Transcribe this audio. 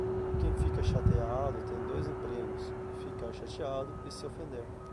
Quem fica chateado tem dois empregos: ficar chateado e se ofender.